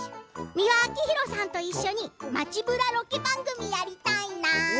美輪明宏さんと一緒に街ブラロケ番組やりたいな。